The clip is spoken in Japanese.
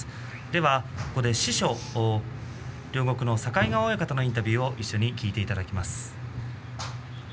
では、師匠両国の境川親方のインタビューを聞いていただきます。